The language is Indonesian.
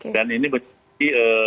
dan ini berarti